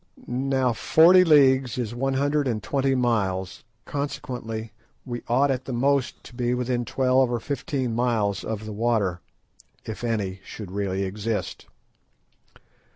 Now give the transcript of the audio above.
Now forty leagues is one hundred and twenty miles, consequently we ought at the most to be within twelve or fifteen miles of the water if any should really exist.